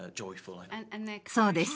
そうです